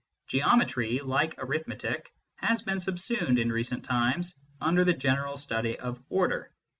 Geometry, like Arithmetic, has been subsumed, in recent times, under the general study of order.